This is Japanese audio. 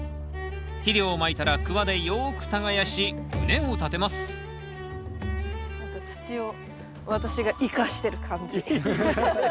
肥料をまいたらクワでよく耕し畝を立てます何か土を私が生かしてる感じ。